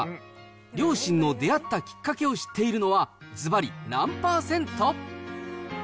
両親の出会ったきっかけを知っているのは、ずばり何％？